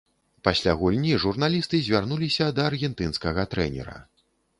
Пасля гульні журналісты звярнуліся да аргентынскага трэнера.